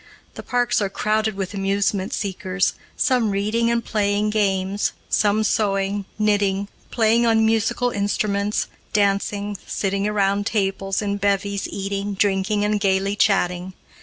The parks are crowded with amusement seekers, some reading and playing games, some sewing, knitting, playing on musical instruments, dancing, sitting around tables in bevies eating, drinking, and gayly chatting.